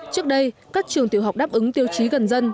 trước đây các trường tiểu học đáp ứng tiêu chí gần dân